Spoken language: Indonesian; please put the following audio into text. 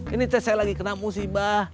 ini saya lagi kena musibah